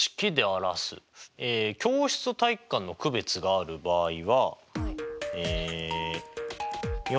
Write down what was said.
教室と体育館の区別がある場合は。